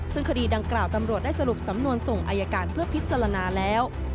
ซึ่งคดีดังกล่าวตำรวจได้สรุปสำนวนส่งอายการเพื่อพิจารณาแล้ว